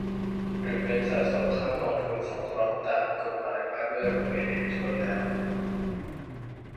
หรือเงินสะสมเข้ากองทุนสงเคราะห์ตามกฎหมายว่าด้วยโรงเรียนเอกชนแล้ว